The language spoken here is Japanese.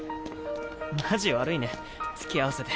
マジ悪いねつきあわせて。